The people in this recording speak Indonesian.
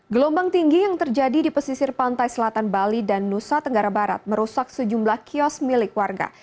gelombang tinggi yang terjadi di pesisir pantai selatan bali dan nusa tenggara barat merusak sejumlah kios milik warga